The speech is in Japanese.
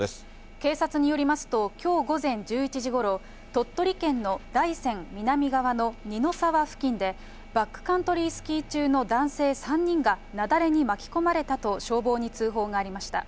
警察によりますと、きょう午前１１時ごろ、鳥取県の大山南側の二の沢付近で、バックカントリースキー中の男性３人が、雪崩に巻き込まれたと消防に通報がありました。